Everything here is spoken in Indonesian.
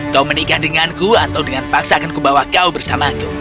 kau menikah denganku atau dengan paksakan kubawa kau bersamaku